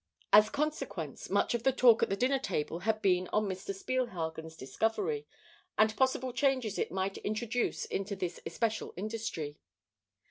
As consequence, much of the talk at the dinner table had been on Mr. Spielhagen's discovery, and possible changes it might introduce into this especial industry.